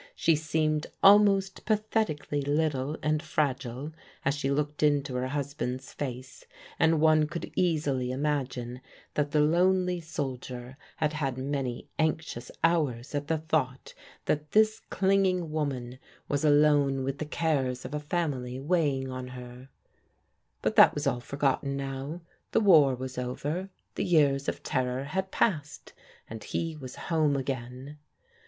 She seemed almost pathetically little and fragile as she looked into her husband's face, and one could easily imagine that the lonely soldier had had many anxious hours at the thought that this clinging woman ^ was alone with the cares of a family weighing on her. THE COLONEL RETURNS 11 But that was all forgotten now. The war was over, the years of terror had passed, and he was home again.